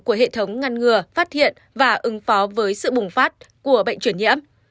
của hệ thống ngăn ngừa phát hiện và ứng phó với sự bùng phát của bệnh chuyển nhiễm